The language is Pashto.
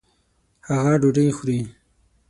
هغه ډوډۍ خوري